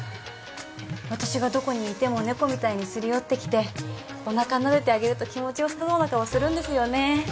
私がどこにいても猫みたいにすり寄ってきておなかなでてあげると気持ちよさそうな顔するんですよね